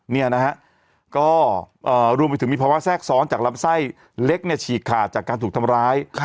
เนี่ยนะฮะก็รวมไปถึงมีภาวะแทรกซ้อนจากลำไส้เล็กเนี่ยฉีกขาดจากการถูกทำร้าย